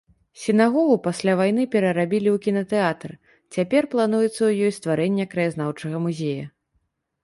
Сінагогу пасля вайны перарабілі ў кінатэатр, цяпер плануецца ў ёй стварэнне краязнаўчага музея.